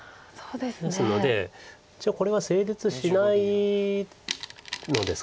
ですので一応これは成立しないですか多分。